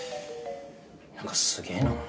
なんかすげえな。